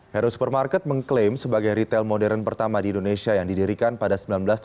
hero supermarket mengklaim sebagai retail modern pertama di indonesia yang didirikan pada seribu sembilan ratus sembilan puluh